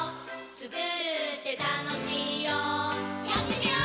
つくるってたのしいよやってみよー！